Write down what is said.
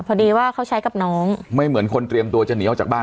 พอดีว่าเขาใช้กับน้องไม่เหมือนคนเตรียมตัวจะหนีออกจากบ้าน